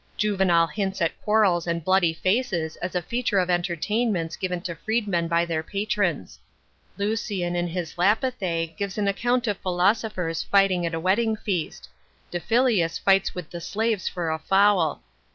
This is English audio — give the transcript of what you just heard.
Juvenal hints at quarrels and bloody fac»s as a feature of entertainments given to freedmen by their patrons.|| Lncian in his / apithx gives an accoi n' of philosophers fighting at a wedding feast. Diphilus rights wit! the slaves for a fowl.